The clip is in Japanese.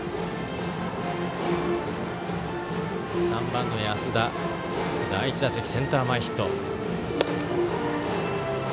３番の安田は第１打席、センター前ヒット。